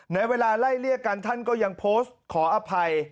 ในเวลาไล่เรียกกันท่านก็ยังโพสต์ขออภัย